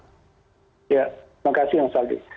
ya terima kasih mas aldi